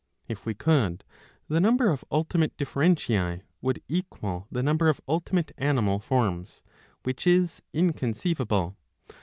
If we could, the number of ultimate differentiae would equal the number of ultimate animal forms, [which is inconceivable].